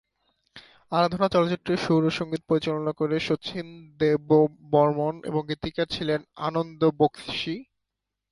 আরাধনা চলচ্চিত্রের সুর ও সঙ্গীত পরিচালনা করেন শচীন দেববর্মণ এবং গীতিকার ছিলেন আনন্দ বক্সী।